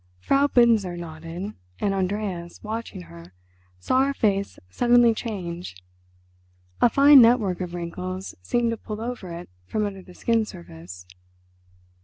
Frau Binzer nodded, and Andreas, watching her, saw her face suddenly change; a fine network of wrinkles seemed to pull over it from under the skin surface.